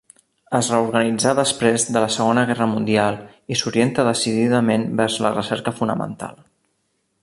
Es reorganitzà després de la Segona guerra mundial i s'orienta decididament vers la recerca fonamental.